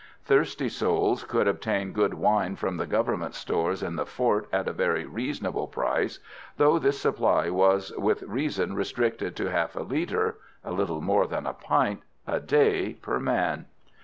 Thirsty souls could obtain good wine from the Government stores in the fort at a very reasonable price, though this supply was with reason restricted to half a litre (a little more than a pint) a day per man.